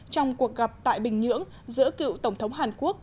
trong cuộc gặp tại bình nhưỡng giữa cựu tổng thống hàn quốc